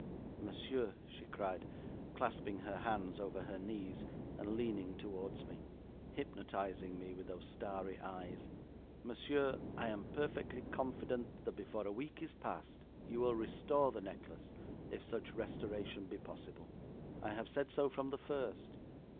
'Monsieur,' she cried, clasping her hands over her knees, and leaning towards me, hypnotising me with those starry eyes, 'Monsieur, I am perfectly confident that before a week is past you will restore the necklace, if such restoration be possible. I have said so from the first.